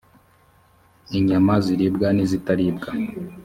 inyama ziribwa n’izitaribwa